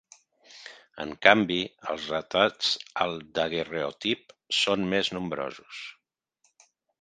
En canvi, els retrats al daguerreotip són més nombrosos.